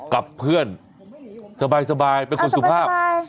กับเพื่อนสบายเป็นคนสุภาพ